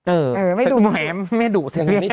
เออไม่ดู